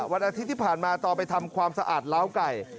วันอาทิตย์ที่ผ่านมาตอนไปทำความสะอาดล้าวไก่